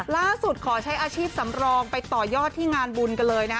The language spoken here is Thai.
ขอใช้อาชีพสำรองไปต่อยอดที่งานบุญกันเลยนะฮะ